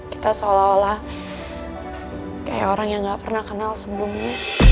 kita seolah olah kayak orang yang gak pernah kenal sebelumnya